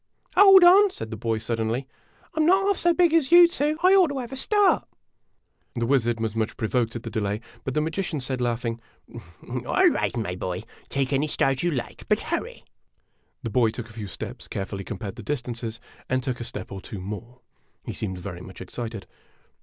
" Hold on," said the boy, suddenly ;" I 'm not half so big as you two I ought to have a start! The wizard was much provoked at the delay, but the magician said, laughing: "All right, my boy; take any start you like, but hurry." The boy took a few steps, carefully compared the distances, and took a step or two more. He seemed very much excited.